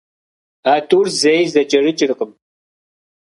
А тӀур зэи зэкӀэрыкӀыркъым.